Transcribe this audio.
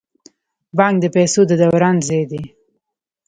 بانک د پیسو د دوران ځای دی